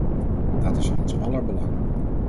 Dat is in ons aller belang.